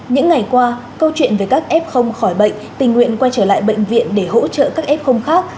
những ngày qua câu chuyện về các f khỏi bệnh tình nguyện quay trở lại bệnh viện để hỗ trợ các f